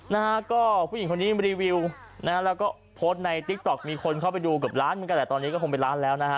นะฮะก็ผู้หญิงคนนี้รีวิวนะฮะแล้วก็โพสต์ในติ๊กต๊อกมีคนเข้าไปดูเกือบล้านเหมือนกันแหละตอนนี้ก็คงเป็นล้านแล้วนะฮะ